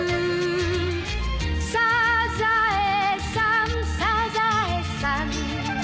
「サザエさんサザエさん」